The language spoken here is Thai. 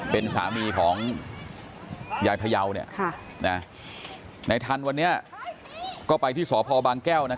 เป็นสามีของยายพยาวในทันวันนี้ก็ไปที่สพบางแก้ว